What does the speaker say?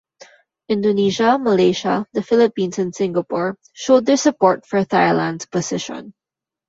Indonesia, Malaysia, the Philippines and Singapore showed their support for Thailand's position.